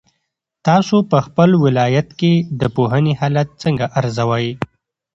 تاسو په خپل ولایت کې د پوهنې حالت څنګه ارزوئ؟